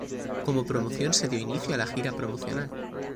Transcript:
Como promoción se dio inicio a la gira promocional.